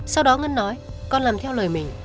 sau đó ngân nói con làm theo lời mình